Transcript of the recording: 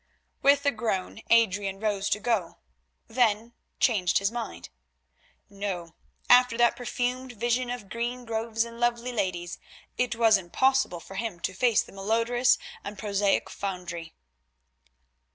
With a groan Adrian rose to go, then changed his mind. No, after that perfumed vision of green groves and lovely ladies it was impossible for him to face the malodorous and prosaic foundry.